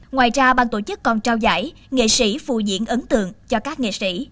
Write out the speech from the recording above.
ngoài ra ban tổ chức còn trao giải nghệ sỹ phụ diễn ấn tượng cho các nghệ sỹ